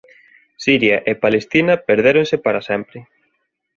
Siria e Palestina perdéronse para sempre.